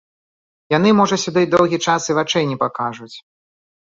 Яны можа сюды доўгі час і вачэй не пакажуць.